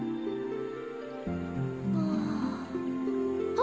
あ。